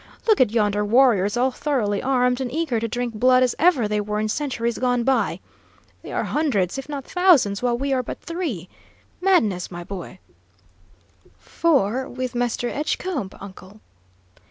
Look at yonder warriors, all thoroughly armed, and eager to drink blood as ever they were in centuries gone by! They are hundreds, if not thousands, while we are but three! Madness, my boy!" "Four, with Mr. Edgecombe, uncle."